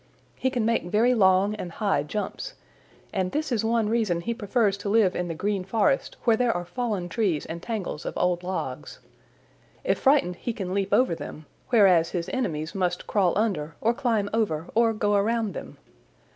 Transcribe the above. He can make very long and high jumps, and this is one reason he prefers to live in the Green Forest where there are fallen trees and tangles of old logs. If frightened he can leap over them, whereas his enemies must crawl under or climb over or go around them.